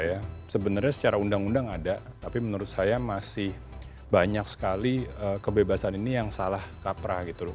ya sebenarnya secara undang undang ada tapi menurut saya masih banyak sekali kebebasan ini yang salah kaprah gitu loh